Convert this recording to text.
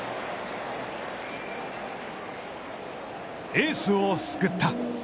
エースを救った！